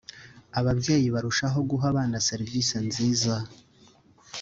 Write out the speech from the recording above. Ababyeyi barushaho guha abana serivisi nziza